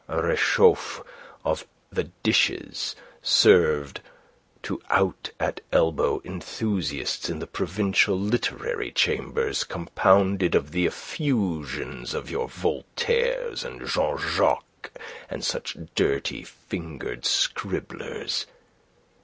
A rechauffe of the dishes served to out at elbow enthusiasts in the provincial literary chambers, compounded of the effusions of your Voltaires and Jean Jacques and such dirty fingered scribblers.